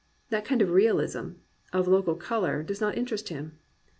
That kind of realism, of local colour, does not interest him.